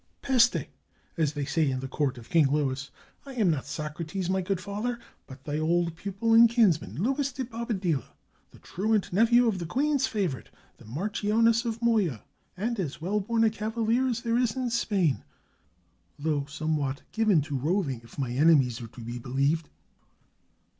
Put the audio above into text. "Peste! as they say at the court of King Louis. I am not Socrates, my good father, but thy old pupil and kinsman, Luis de Bobadilla, the truant nephew of the queen's favorite, the Marchioness of Moya, and as well born a cavalier as there is in Spain — though somewhat given to roving, if my enemies are to be believed."